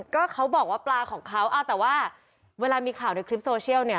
ก็เขาบอกว่าปลาของเขาเอาแต่ว่าเวลามีข่าวในคลิปโซเชียลเนี่ย